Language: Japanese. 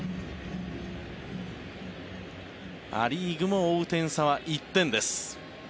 ア・リーグも追う点差は１点です。